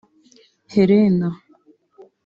Helena